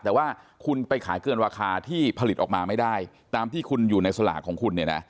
แต่ว่าคุณไปขายเกินราคาที่ผลิตออกมาไม่ได้ตามที่คุณอยู่ในสลากของคุณเนี่ยนะ